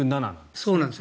そうなんです。